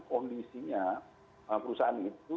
kondisinya perusahaan itu